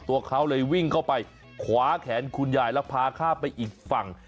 ตัวเขาเลยวิ่งเข้าไปขวาแขนคุณยายแล้วพาข้ามไปอีกฝั่ง